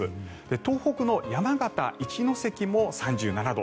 東北の山形、一関も３７度。